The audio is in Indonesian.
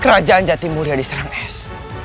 kerajaan jati mulia diserang es